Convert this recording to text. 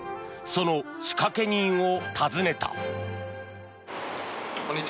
その仕掛け人を訪ねた。